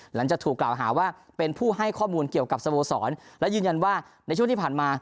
หลังจากถูกกล่าวหาว่าเป็นผู้ให้ข้อมูลเกี่ยวกับสโมสรและยืนยันว่าในช่วงที่ผ่านมา